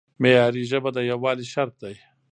معیاري ژبه د یووالي شرط دی.